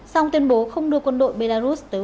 sau khi tuyên bố không đưa quân đội belarus tới ukraine